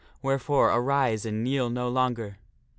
Wherefore, arise and kneel no longer!"